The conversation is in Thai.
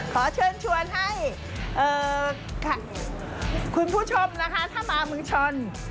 ขอเชิญชวนให้คุณผู้ชมนะคะถ้ามาเมืองชน